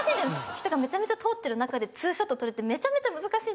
人がめちゃめちゃ通ってる中で２ショット撮るってめちゃめちゃ難しいんですよ。